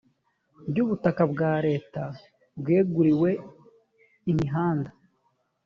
ry ubutaka bwa leta bweguriwe imihanda